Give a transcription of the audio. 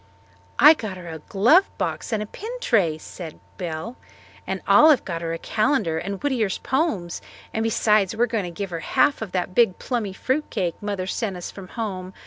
"I got her a glove box and a pin tray," said Belle, "and Olive got her a calendar and Whittier's poems. And besides we are going to give her half of that big plummy fruit cake Mother sent us from home.